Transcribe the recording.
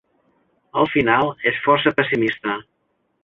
El final és força pessimista.